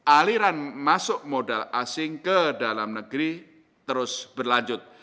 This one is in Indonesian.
aliran masuk modal asing ke dalam negeri terus berlanjut